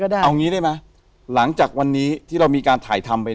ได้เอางี้ได้ไหมหลังจากวันนี้ที่เรามีการถ่ายทำไป